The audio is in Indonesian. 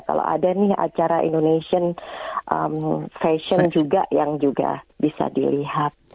kalau ada nih acara indonesian fashion juga yang juga bisa dilihat